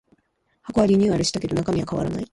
箱はリニューアルしたけど中身は変わらない